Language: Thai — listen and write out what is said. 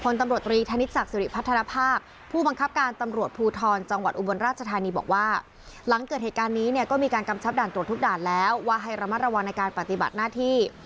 แล้วว่าให้ระมัดระวังในการปฏิบัติหน้าที่